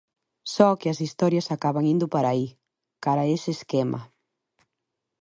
Só que as historias acaban indo para aí, cara a ese esquema.